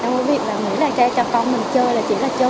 các quý vị là mấy đàn trai trong công mình chơi là chỉ là chơi thôi